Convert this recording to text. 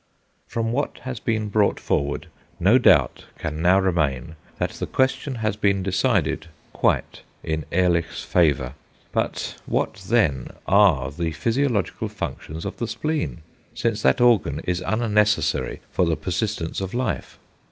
From what has been brought forward no doubt can now remain that the question has been decided quite in Ehrlich's favour. But what then are the physiological functions of the spleen, since that organ is unnecessary for the persistence of life?